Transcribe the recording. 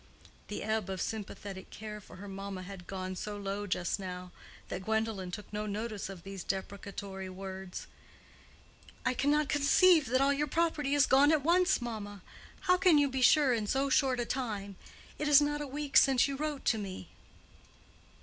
The ebb of sympathetic care for her mamma had gone so low just now, that Gwendolen took no notice of these deprecatory words. "I cannot conceive that all your property is gone at once, mamma. How can you be sure in so short a time? It is not a week since you wrote to me."